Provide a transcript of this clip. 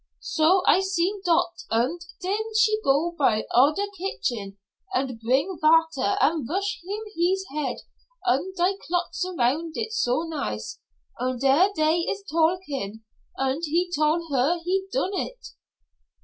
So I seen dot und den she go by der kitchen und bring vater und vash heem hees head und tie clots round it so nice, und dere dey is talkin', und he tol' her he done it."